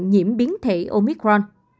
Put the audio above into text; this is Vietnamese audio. nhiễm biến thể omicron